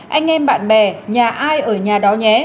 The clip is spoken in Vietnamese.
anh em bạn bè nhà ai ở nhà đó nhé